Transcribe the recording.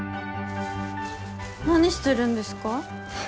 何してるんですか？